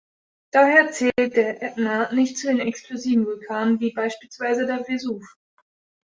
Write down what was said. Daher zählt der Ätna nicht zu den explosiven Vulkanen wie beispielsweise der Vesuv.